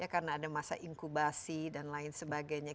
karena ada masa inkubasi dan lain sebagainya